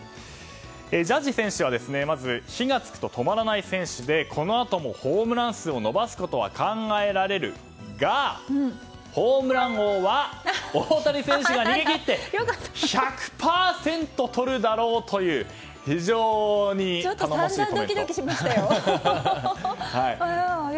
ジャッジ選手はまず火が付くと止まらない選手でこのあともホームラン数を伸ばすことは考えられるがホームラン王は大谷選手が逃げ切って１００％とるだろうという非常に頼もしいコメント。